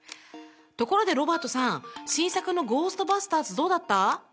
ところでロバートさん新作の「ゴーストバスターズ」どうだった？